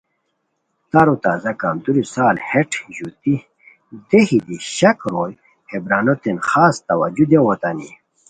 ترو تازہ کندوری سال ہیٹ ژوتی دیہی دی شک روئے ہے برانو تین خاص توجہ دیاؤ اوتانی